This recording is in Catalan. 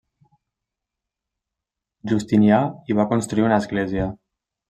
Justinià hi va construir una església.